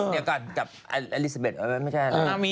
เดี๋ยวกับแอลิซาเบสเอ๊ะไม่ใช่อะไร